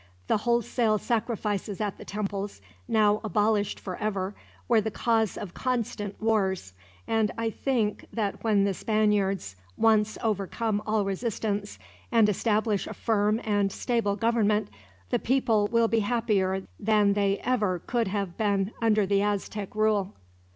The wholesale sacrifices at the temples, now abolished forever, were the cause of constant wars; and I think that when the Spaniards once overcome all resistance, and establish a firm and stable government, the people will be happier than they ever could have been under the Aztec rule.